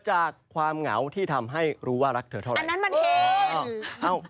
อ้าวไม่ใช่เหตุหรือครับ